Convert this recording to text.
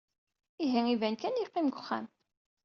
Ihi iban kan yeqqim deg uxxam.